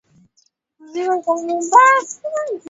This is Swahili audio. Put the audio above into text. waliokuwa wakitawala Tanganyika Rwanda na Burundi